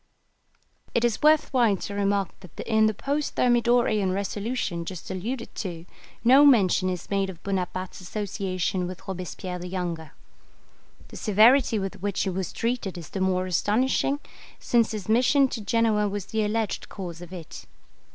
It is worth while to remark that in the post Thermidorian resolution just alluded to no mention is made of Bonaparte's association with Robespierre the younger. The severity with which he was treated is the more astonishing, since his mission to Genoa was the alleged cause of it.